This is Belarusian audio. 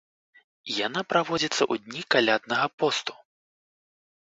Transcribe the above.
Яна праводзіцца ў дні каляднага посту.